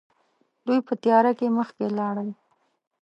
دوی په تياره کې مخکې لاړل.